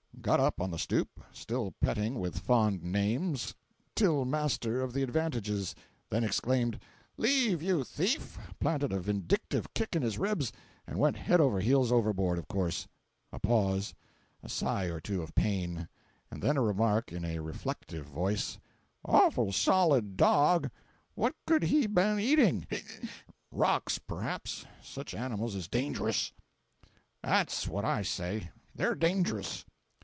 Got up on the stoop, still petting with fond names; till master of the advantages; then exclaimed, "Leave, you thief!"—planted a vindictive kick in his ribs, and went head over heels overboard, of course. A pause; a sigh or two of pain, and then a remark in a reflective voice: "Awful solid dog. What could he ben eating? ('ic!) Rocks, p'raps. Such animals is dangerous.—' At's what I say—they're dangerous.